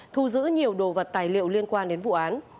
thu giữ nhiều đồ vật tài liệu liên quan đến vụ án